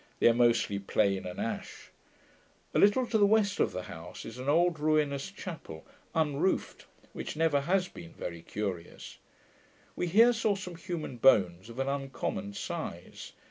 They are mostly plane and ash. A little to the west of the house is an old ruinous chapel, unroofed, which never has been very curious. We here saw some human bones of an uncommon size.